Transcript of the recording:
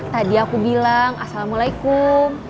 tadi aku bilang assalamualaikum